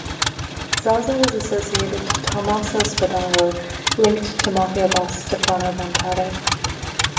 Zaza was associated to Tommaso Spadaro, linked to Mafia boss Stefano Bontade.